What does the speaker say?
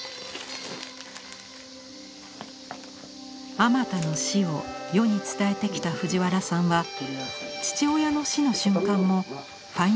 あまたの死を世に伝えてきた藤原さんは父親の死の瞬間もファインダー越しに見つめました。